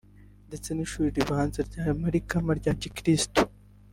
ndetse n’ishuri ribanza rya Malikama rya gikirisitu